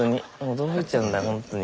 驚いちゃうんだほんとに。